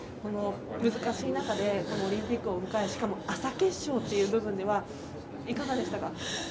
難しい中でオリンピックを迎え朝決勝という部分ではいかがでしたか？